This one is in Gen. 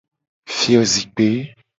Fiozikpe.